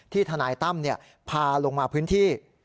ทนายตั้มพาลงมาพื้นที่